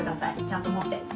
ちゃんともって。